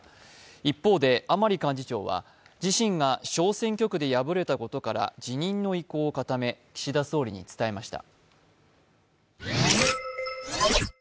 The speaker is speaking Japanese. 一方で、甘利幹事長は自身が小選挙区で敗れたことから辞任の意向を固め岸田総理に伝えました。